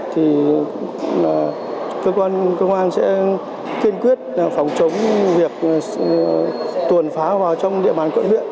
thì cơ quan sẽ kiên quyết phòng chống việc tuần pháo vào trong địa bàn cưỡng luyện